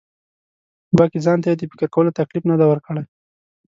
ګواکې ځان ته یې د فکر کولو تکلیف نه دی ورکړی.